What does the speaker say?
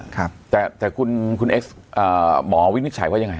ครับแต่แต่คุณคุณเอ็กซอ่าหมอวิทย์นึกฉัยว่ายังไงฮะ